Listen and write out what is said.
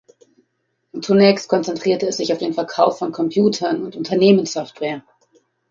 Zunächst konzentrierte es sich auf den Verkauf von Computern und Unternehmenssoftware.